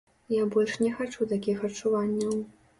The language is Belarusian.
Я больш не хачу такіх адчуванняў.